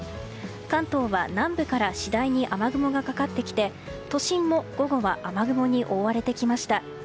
関東は南部から次第に雨雲がかかってきて都心も午後は雨雲に覆われてきました。